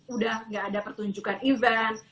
udah gak ada pertunjukan event